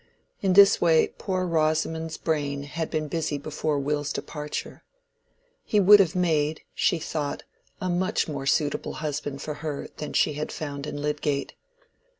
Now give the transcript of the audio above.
In this way poor Rosamond's brain had been busy before Will's departure. He would have made, she thought, a much more suitable husband for her than she had found in Lydgate.